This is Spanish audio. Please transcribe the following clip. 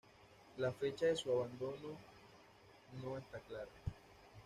La fecha de su abandono no está clara.